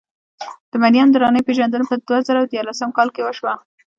د مریم درانۍ پېژندنه په دوه زره ديارلسم کال کې وشوه.